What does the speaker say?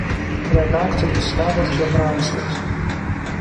Redaktorius Tadas Žebrauskas.